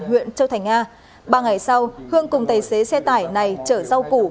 huyện châu thành a ba ngày sau hương cùng tài xế xe tải này chở rau củ